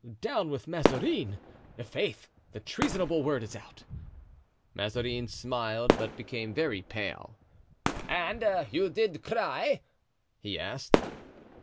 "'Down with Mazarin!' I'faith, the treasonable word is out." Mazarin smiled, but became very pale. "And you did cry?" he asked.